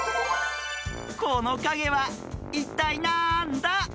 このかげはいったいなんだ？